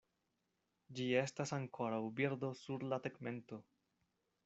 Ĝi estas ankoraŭ birdo sur la tegmento.